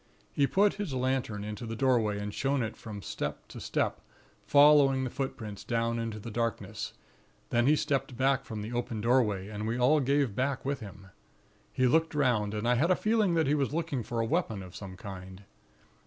He put his lantern into the doorway, and shone it from step to step, following the footprints down into the darkness; then he stepped back from the open doorway, and we all gave back with him. He looked 'round, and I had a feeling that he was looking for a weapon of some kind.